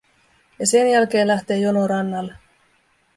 Ja sen jälkeen lähtee jono rannalle.